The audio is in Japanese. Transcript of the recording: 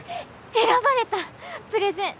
選ばれたプレゼン！